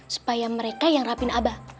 supaya mereka yang rapin abah